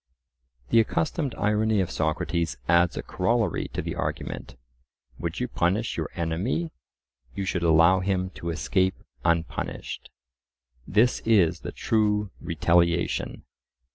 The "accustomed irony" of Socrates adds a corollary to the argument:—"Would you punish your enemy, you should allow him to escape unpunished"—this is the true retaliation.